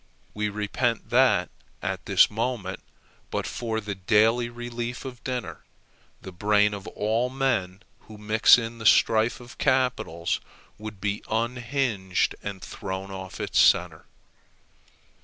We repeat that, at this moment, but for the daily relief of dinner, the brain of all men who mix in the strife of capitals would be unhinged and thrown off its centre.